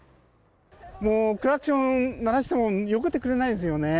もう、クラクション鳴らしてもよけてくれないですよね。